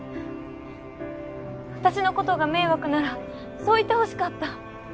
私のことが迷惑ならそう言ってほしかった。